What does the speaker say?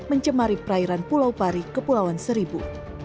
mencemari perairan pulau pari kepulauan seribu